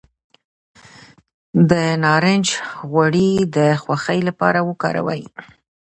د نارنج غوړي د خوښۍ لپاره وکاروئ